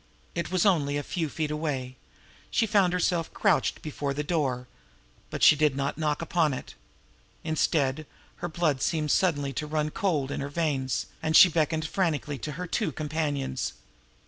It was only a few feet. She found herself crouched before the door but she did not knock upon it. Instead, her blood seemed suddenly to run cold in her veins, and she beckoned frantically to her two companions.